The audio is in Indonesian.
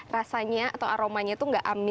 rasanya atau aromanya itu enggak amis